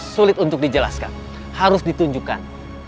sulit untuk dijelaskan harus ditunjukkan